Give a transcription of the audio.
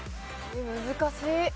難しい。